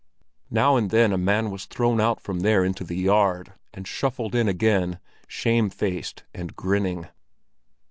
Now and then a man was thrown out from there into the yard, and shuffled in again, shamefaced and grinning.